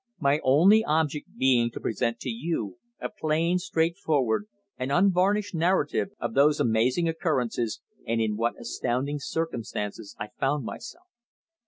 My only object being to present to you a plain, straightforward, and unvarnished narrative of those amazing occurrences, and in what astounding circumstances I found myself.